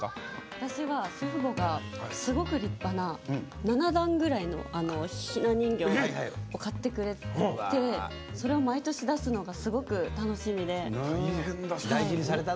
私は祖父母がすごく立派な７段ぐらいのひな人形を買ってくれてそれを毎年、出すのがすごく楽しみで。